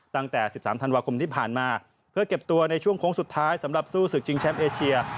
ตั้งแต่๑๓ธันวาคมที่ผ่านมาเพื่อเก็บตัวในช่วงโค้งสุดท้ายสำหรับสู้ศึกชิงแชมป์เอเชีย